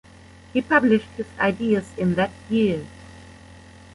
He published his ideas in that year.